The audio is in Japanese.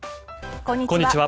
こんにちは。